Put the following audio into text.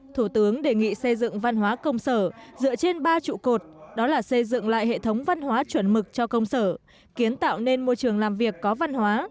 thủ tướng đề nghị xây dựng văn hóa công sở dựa trên ba trụ cột đó là xây dựng lại hệ thống văn hóa chuẩn mực cho công sở kiến tạo nên môi trường làm việc có văn hóa